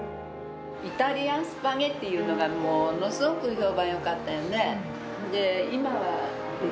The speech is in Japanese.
イタリアンスパゲティいうのが、ものすごく評判よかったんよね。